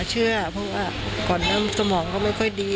เพราะว่าก่อนแล้วสมองก็ไม่ค่อยดี